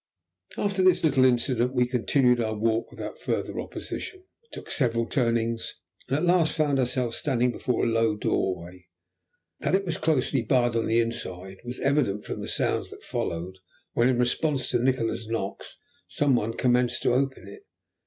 After this little incident we continued our walk without further opposition, took several turnings, and at last found ourselves standing before a low doorway. That it was closely barred on the inside was evident from the sounds that followed when, in response to Nikola's knocks, some one commenced to open it.